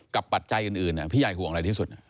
ปัจจัยอื่นพี่ใหญ่ห่วงอะไรที่สุด